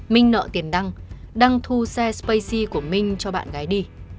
minh nợ tiền đăng đăng thu xe spacey của minh cho bạn gái đi